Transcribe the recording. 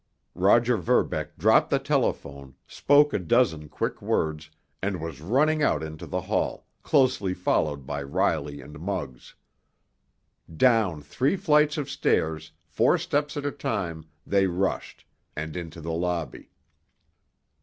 Roger Verbeck dropped the telephone, spoke a dozen quick words, and was running out into the hall, closely followed by Riley and Muggs. Down three flights of stairs, four steps at a time, they rushed, and into the lobby.